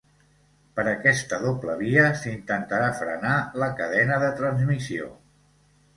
Per aquesta doble via, s'intentarà frenar la cadena de transmissió.